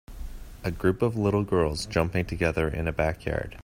A group of little girls jumping together in a backyard.